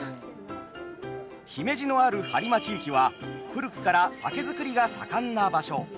姫路のある播磨地域は古くから酒造りが盛んな場所。